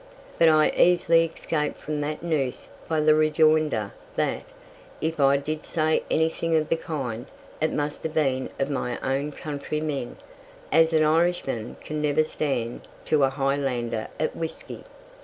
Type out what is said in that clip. But I easily escaped from that noose by the rejoinder that, if I did say anything of the kind, it must have been of my own countrymen, as an Irishman can never stand to a Highlander at whisky.